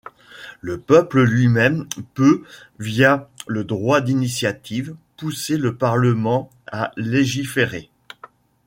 Le peuple lui-même peut, via le droit d'initiative, pousser le parlement à légiférer.